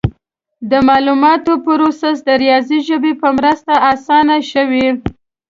د معلوماتو پروسس د ریاضي ژبې په مرسته اسانه شوی.